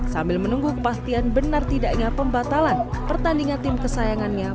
sambil menunggu kepastian benar tidaknya pembatalan pertandingan tim kesayangannya